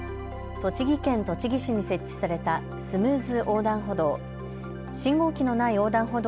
栃木県栃木市に設置されたスムーズ横断歩道。